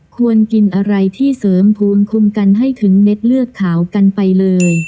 ควรกินอะไรที่เสริมภูมิคุ้มกันให้ถึงเด็ดเลือดขาวกันไปเลย